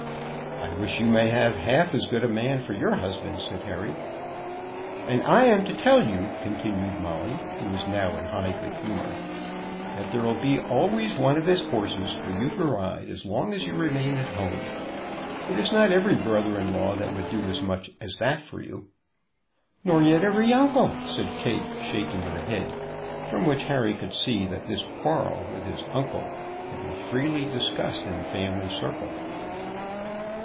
"I wish you may have half as good a man for your husband," said Harry. "And I am to tell you," continued Molly, who was now in high good humor, "that there will be always one of his horses for you to ride as long as you remain at home. It is not every brother in law that would do as much as that for you." "Nor yet every uncle," said Kate, shaking her head, from which Harry could see that this quarrel with his uncle had been freely discussed in the family circle.